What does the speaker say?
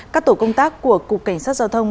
các tổ công tác của cục cảnh sát giao thông